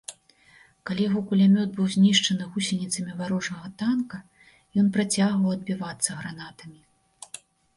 Калі яго кулямёт быў знішчаны гусеніцамі варожага танка, ён працягваў адбівацца гранатамі.